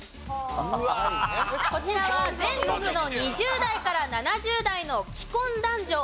こちらは全国の２０代から７０代の既婚男女